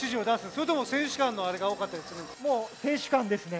それとも選手間の話し合いが多かったりするんですか？